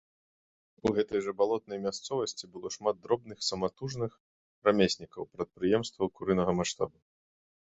У гэтай жа балотнай мясцовасці было шмат дробных саматужных рамеснікаў, прадпрыемстваў курынага маштабу.